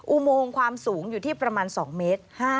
อุโมงความสูงอยู่ที่ประมาณ๒เมตร